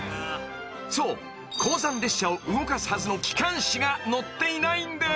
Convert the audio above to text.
［そう鉱山列車を動かすはずの機関士が乗っていないんです］